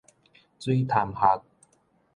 水潭礐